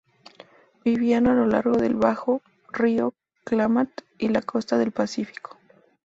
Vivían a lo largo del bajo río Klamath y de la costa del Pacífico.